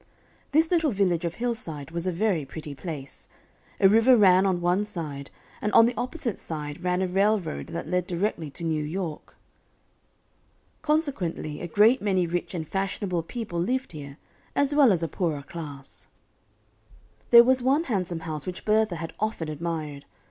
This little village of Hillside was a very pretty place. A river ran on one side, and on the opposite side ran a railroad that led directly to New York. Consequently a great many rich and fashionable people lived here, as well as a poorer class. There was one handsome house which Bertha had often admired.